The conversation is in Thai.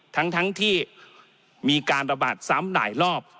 ทั้งที่มีการระบาดซ้ำหลายรอบ